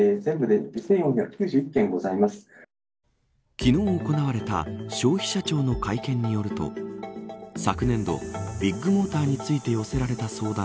昨日、行われた消費者庁の会見によると昨年度、ビッグモーターについて寄せられた相談